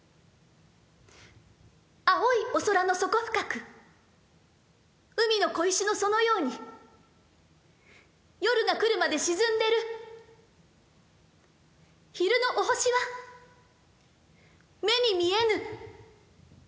「青いお空の底ふかく、海の小石のそのように、夜がくるまで沈んでる、昼のお星は眼にみえぬ。